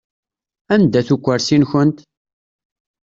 Anda-t ukursi-nkent?